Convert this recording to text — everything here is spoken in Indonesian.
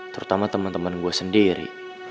terutama temen temen gue sendiri